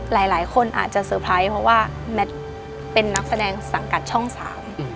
หลายคนอาจจะเตอร์ไพรส์เพราะว่าแมทเป็นนักแสดงสังกัดช่องสาม